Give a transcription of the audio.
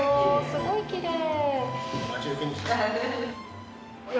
すごいきれい。